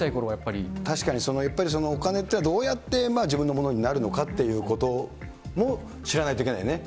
確かにお金っていうのは、どうやって自分のものになるのかっていうことも知らないといけないよね。